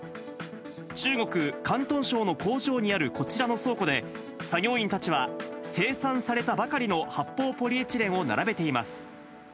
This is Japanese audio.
中国・広東省の工場にあるこちらの倉庫で、作業員たちは生産されたばかりの発泡ポリエチレンを並べています。